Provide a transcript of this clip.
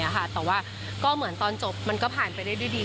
แต่ว่าก็เหมือนตอนจบมันก็ผ่านไปได้ด้วยดี